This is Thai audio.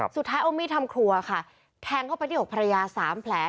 สุดท้ายเอามีดทำครัวค่ะแทงเข้าไปที่อกภรรยา๓แผล